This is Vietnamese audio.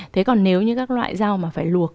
thế còn nếu như các loại rau mà phải luộc